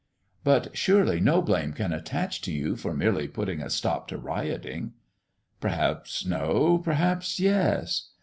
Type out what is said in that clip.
"But surely no blame can attach to you for merely putting a stop to rioting." "Perhaps no. Perhaps yes."